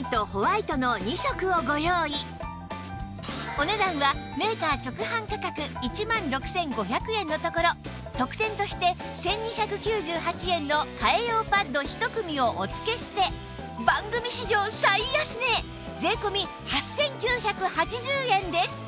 お値段はメーカー直販価格１万６５００円のところ特典として１２９８円の替え用パッド１組をお付けして番組史上最安値税込８９８０円です